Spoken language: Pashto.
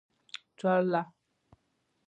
چا له.